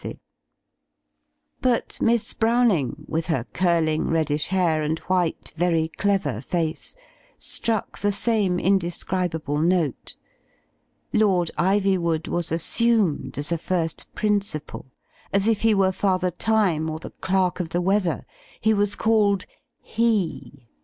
^^^""'^'^ THE ENIGMAS OF LADY JOAN 309 But Miss Browning, with her curling, reddish hair and white, very clever face, struck the same indescrib able note. Lord Ivywood was assumed as a first prin ciple; as if he were Father Time, or the Qerk of the Weather. He was called "He."